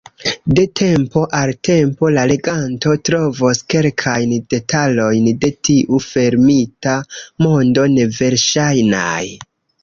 De tempo al tempo la leganto trovos kelkajn detalojn de tiu fermita mondo neverŝajnaj.